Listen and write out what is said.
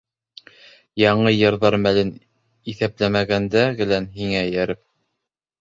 — Яңы йырҙар мәлен иҫәпләмәгәндә, гелән һиңә эйәреп...